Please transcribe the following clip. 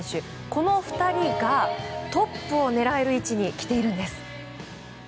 この２人がトップを狙える位置に来ているんです。